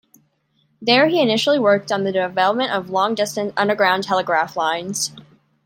There, he initially worked on the development of long distance underground telegraph lines.